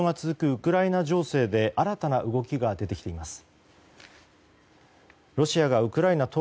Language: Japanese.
ウクライナ情勢で新たな動きが出てきています。